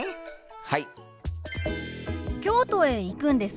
はい。